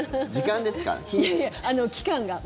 いやいや、期間が。